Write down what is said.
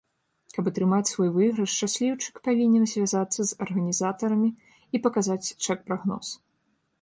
Каб атрымаць свой выйгрыш, шчасліўчык павінен звязацца з арганізатарамі і паказаць чэк-прагноз.